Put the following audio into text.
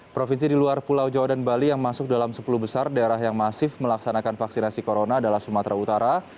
provinsi di luar pulau jawa dan bali yang masuk dalam sepuluh besar daerah yang masif melaksanakan vaksinasi corona adalah sumatera utara